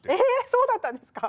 そうだったんですか？